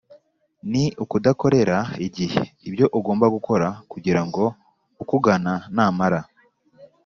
ni ukudakorera igihe ibyo ugomba gukora kugira ngo ukugana namara